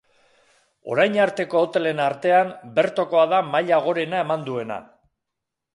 Orain arteko hotelen artean bertokoa da maila gorena eman duena.